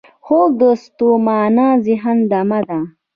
خوب د ستومانه ذهن دمه ده